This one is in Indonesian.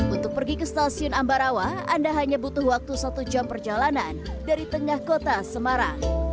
untuk pergi ke stasiun ambarawa anda hanya butuh waktu satu jam perjalanan dari tengah kota semarang